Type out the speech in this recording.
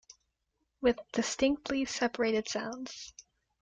With distinctly separated sounds.